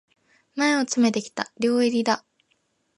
前を詰めてきた、両襟だ。